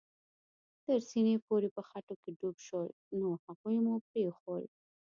تر سېنې پورې په خټو کې ډوب شول، نو هغوی مو پرېښوول.